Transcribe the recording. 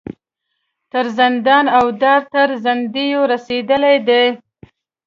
تر زندان او دار تر زندیو رسېدلي دي.